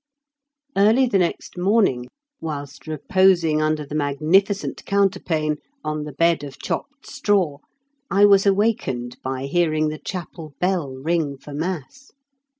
Early the next morning, whilst reposing under the magnificent counterpane on the bed of chopped straw, I was awakened by hearing the chapel bell ring for mass.